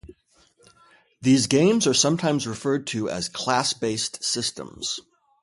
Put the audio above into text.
These games are sometimes referred to as 'class-based' systems.